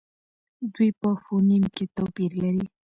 دوی په فونېم کې توپیر لري.